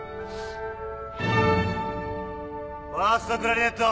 ファーストクラリネット！